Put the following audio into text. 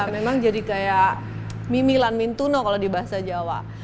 memang jadi kayak mimi lan mintuno kalau di bahasa jawa